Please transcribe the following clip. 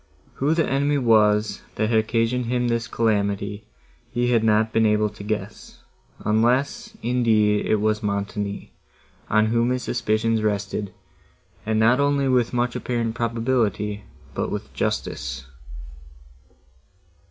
Who the enemy was, that had occasioned him this calamity, he had not been able to guess, unless, indeed, it was Montoni, on whom his suspicions rested, and not only with much apparent probability, but with justice.